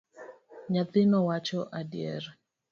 Nyathino wacho adieri.